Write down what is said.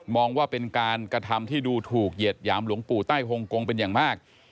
ว่าเป็นการกระทำที่ดูถูกเหยียดหยามหลวงปู่ใต้ฮงกงเป็นอย่างมาก